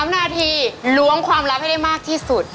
๓นาทีล้วงความลับให้ได้มากที่สุด